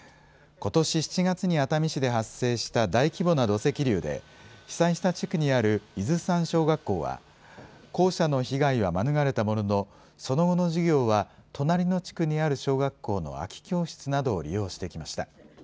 ことし７月に熱海市で発生した大規模な土石流で被災した地区にある伊豆山小学校は校舎の被害は免れたもののその後の授業は隣の地区にある小学校の空き教室などを利用してきました。